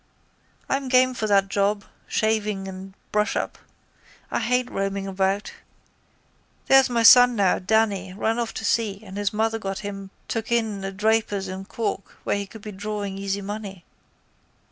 I'm game for that job, shaving and brushup. I hate roaming about. There's my son now, Danny, run off to sea and his mother got him took in a draper's in Cork where he could be drawing easy money.